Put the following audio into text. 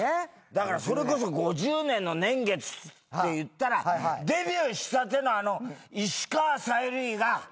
だからそれこそ５０年の年月っていったらデビューしたてのあの石川さゆりがねっ？